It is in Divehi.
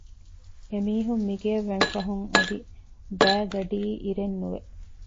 އެ މީހުން މިގެއަށް ވަންފަހުން އަދި ބައިގަޑީއިރެއް ނުވެ